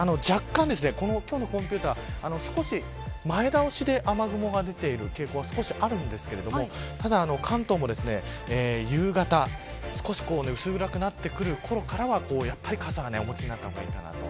今日のコンピューターは少し前倒しで雨雲が出ている傾向は少しあるんですが関東も夕方少し薄暗くなってくるころからはやはり傘はお持ちになった方がいいかなと。